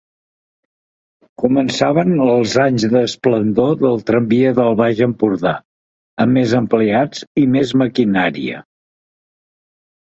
Començaven els anys d'esplendor del Tramvia del Baix Empordà, amb més empleats i més maquinària.